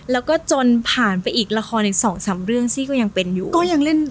แล้วก็ก็จนผ่านไปถึงละครนึง๒๓เรื่องซี่ก็ยังมาแล้ว